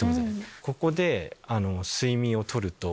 ここで睡眠をとると。